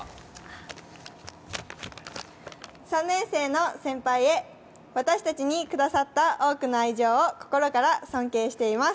３年生の先輩へ、私たちにくださった多くの愛情を心から尊敬しています。